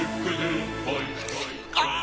ああ！